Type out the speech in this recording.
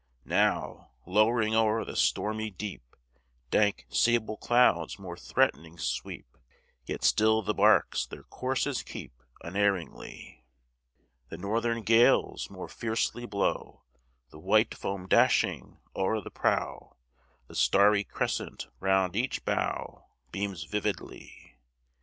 Now, lowering o'er the stormy deep, Dank, sable clouds more threatening sweep: Yet still the barks their courses keep Unerringly. The northern gales more fiercely blow, The white foam dashing o'er the prow; The starry crescent round each bow Beams vividly.